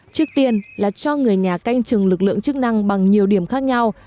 trước tiên là cho người nhà canh chừng lực lượng chức năng bằng nhiều điểm khác nhau